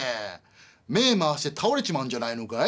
目回して倒れちまうんじゃないのかい？」。